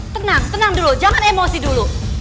tenang tenang dulu jangan emosi dulu